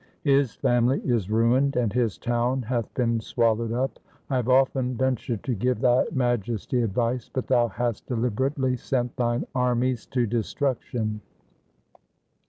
His family is ruined, and his town hath been swallowed up. I have often ventured to give thy Majesty advice, but thou hast deliberately sent thine armies to destruction.'